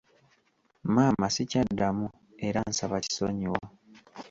Maama sikyaddamu era nsaba kisonyiwo.